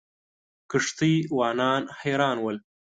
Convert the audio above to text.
کښتۍ وانان حیران ول.